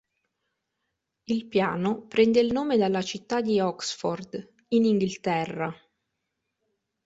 Il piano prende il nome dalla città di Oxford in Inghilterra.